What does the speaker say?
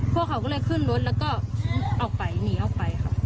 พวกเขาก็เลยขึ้นรถแล้วก็ออกไปหนีออกไปครับ